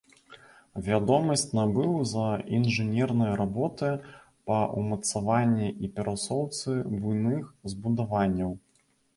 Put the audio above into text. Вядомасць набыў за інжынерныя работы па ўмацаванні і перасоўцы буйных збудаванняў.